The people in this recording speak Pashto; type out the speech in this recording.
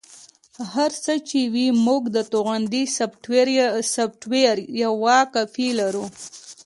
هر څه چې وي موږ د توغندي سافټویر یوه کاپي لرو